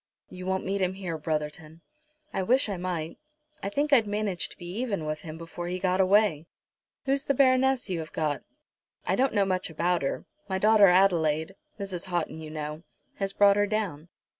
"You won't meet him here, Brotherton." "I wish I might. I think I'd manage to be even with him before he got away. Who's the Baroness you have got?" "I don't know much about her. My daughter Adelaide, Mrs. Houghton, you know, has brought her down.